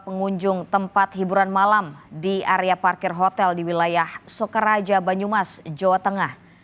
pengunjung tempat hiburan malam di area parkir hotel di wilayah soekeraja banyumas jawa tengah